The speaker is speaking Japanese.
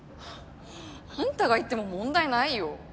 あんたが行っても問題ないよ。